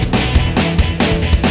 tolong jangan berat